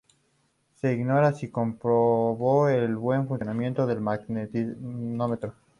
Se ignora si se comprobó el buen funcionamiento del magnetómetro.